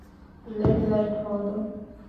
ލެޑް ލައިޓް ހޯދުން